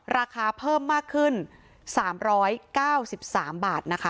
ราคาเพิ่มมากขึ้น๓๙๓บาทนะคะ